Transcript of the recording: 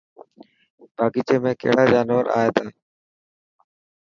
باغيچي ۾ ڪهڙا جانور اي تا.